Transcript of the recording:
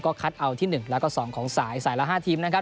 คัดเอาที่๑แล้วก็๒ของสายสายละ๕ทีมนะครับ